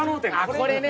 これね！